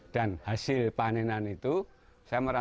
dan hasil panenan itu itu adalah hal yang sangat penting